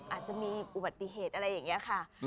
อาจจะมีอุบัติเหตุอะไรอย่างนี้ค่ะ